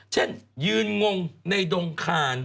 เช่นยืนงงในดงคาน